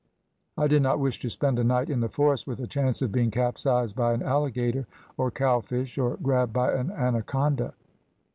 I did not wish to spend a night in the forest, with a chance of being capsized by an alligator, or cow fish, or grabbed by an anaconda.